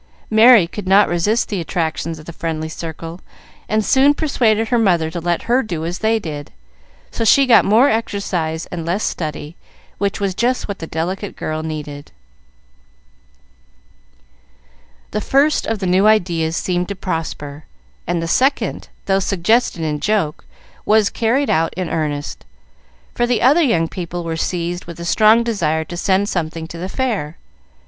Merry could not resist the attractions of the friendly circle, and soon persuaded her mother to let her do as they did; so she got more exercise and less study, which was just what the delicate girl needed. The first of the new ideas seemed to prosper, and the second, though suggested in joke, was carried out in earnest, for the other young people were seized with a strong desire to send something to the Fair.